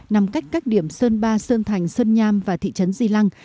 nằm cách các điểm sơn ba sơn thành sơn nham và thị trấn di lăng